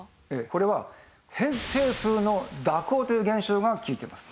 これは偏西風の蛇行という現象が利いてます。